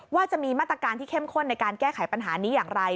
ว่าจะมีมาตรการที่เข้มข้นในการแก้ไขปัญหานี้อย่างไร